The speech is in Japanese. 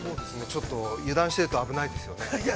ちょっと油断していると危ないですね。